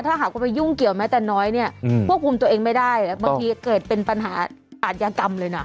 ถ้าหากว่าไปยุ่งเกี่ยวแม้แต่น้อยเนี่ยควบคุมตัวเองไม่ได้บางทีเกิดเป็นปัญหาอาทยากรรมเลยนะ